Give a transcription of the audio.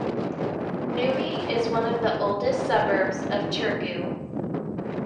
Nummi is one of the oldest suburbs of Turku.